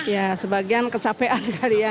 ya sebagian kecapean kali ya